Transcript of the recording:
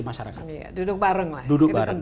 masyarakat duduk bareng lah duduk bareng